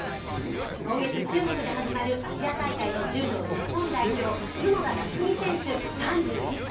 今月中国で始まるアジア大会の柔道日本代表、角田夏実さん３１歳。